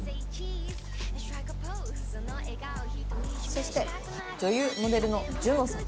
そして女優モデルの樹乃さん。